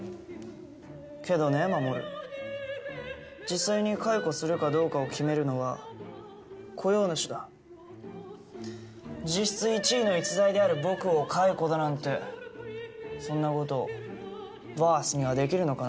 けどねまもる実際に解雇するかどうかを決めるのは雇用主だ実質１位の逸材である僕を解雇だなんてそんなことボスにはできるのかな？